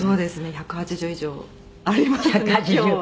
「１８０以上ありますね今日は」